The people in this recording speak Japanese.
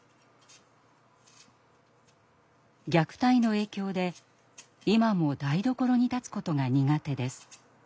虐待の影響で今も台所に立つことが苦手です。